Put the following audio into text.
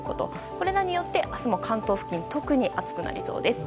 これらによって明日も関東付近特に暑くなりそうです。